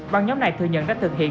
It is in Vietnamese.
bằng nhóm này thừa nhận đã thực hiện